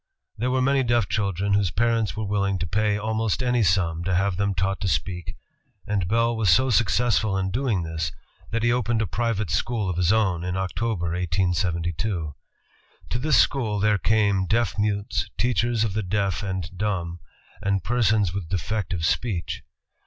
There were many deaf chil dren whose parents were willing to pay almost any sum to have them taught to speak, and Bell was so successful in doing this, that he opened a private school of his own in October, 1872. To this school there came deaf mutes, teachers of the deaf and dumb, and persons with defective speech.